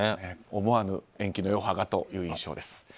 思わぬ延期の余波がという印象です。